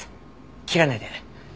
切らないで。